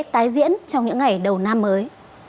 tái diễn trong những ngày đầu năm mới